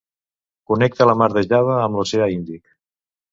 Connecta la mar de Java amb l'oceà Índic.